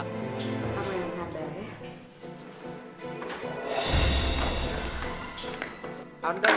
kamu yang sabar ya